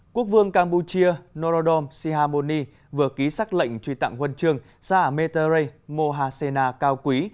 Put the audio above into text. quốc vương campuchia norodom sihamoni vừa ký xác lệnh truy tặng quân trường sa a me te re mo ha se na cao quý